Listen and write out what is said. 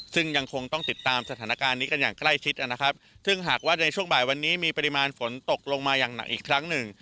ซึ่งยังคงต้องติดตามสถานการณ์นี้กันอย่างใกล้ชิดนะครับซึ่งหากว่าในช่วงบ่ายวันนี้มีปริมาณฝนตกลงมาอย่างหนักอีกครั้งหนึ่ง